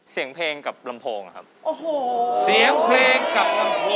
เสียงเพลงกับลำโพงครับ